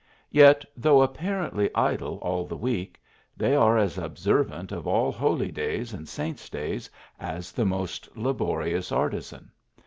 Yet, though apparently idle all the week, they are as observant of all holydays and saints days as the most laborious artisan.